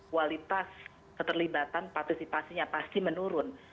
kualitas keterlibatan partisipasinya pasti menurun